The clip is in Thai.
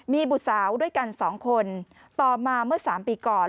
มีบุษาวด้วยกันสองคนต่อมาเมื่อสามปีก่อน